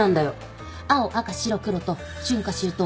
青赤白黒と春夏秋冬